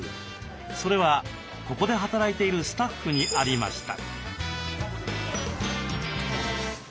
それはここで働いているスタッフにありました。